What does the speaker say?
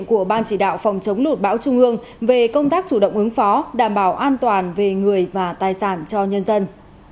của ban chỉ đạo phòng chống lột bão trung ương về công tác chủ động ứng phó đảm bảo an toàn về người và tài sản cho nhân dân